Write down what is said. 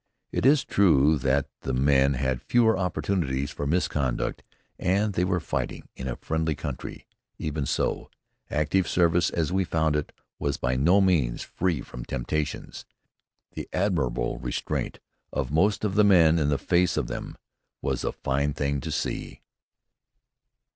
It is true that the men had fewer opportunities for misconduct, and they were fighting in a friendly country. Even so, active service as we found it was by no means free from temptations. The admirable restraint of most of the men in the face of them was a fine thing to see.